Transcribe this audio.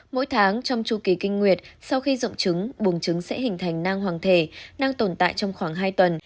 mỗi tháng trong chú ký kinh nguyệt sau khi dụng trứng bụng trứng sẽ hình thành nang hoàng thể nang tồn tại trong khoảng hai tuần